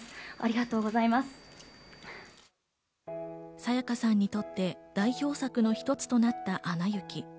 沙也加さんにとって代表作の一つとなった『アナ雪』。